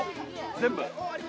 全部。